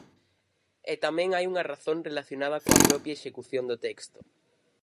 E tamén hai unha razón relacionada coa propia execución do texto.